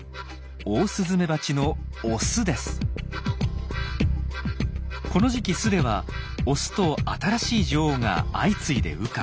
オオスズメバチのこの時期巣ではオスと新しい女王が相次いで羽化。